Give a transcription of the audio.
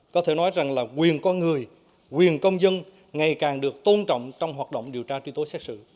có thể nói rằng là quyền con người quyền công dân ngày càng được tôn trọng trong hoạt động điều tra truy tố xét xử